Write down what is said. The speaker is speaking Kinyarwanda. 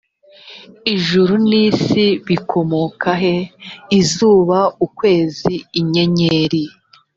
ijuru n isi bikomoka he izuba ukwezi inyenyeri